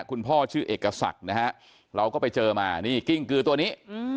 พ่อชื่อเอกศักดิ์นะฮะเราก็ไปเจอมานี่กิ้งกือตัวนี้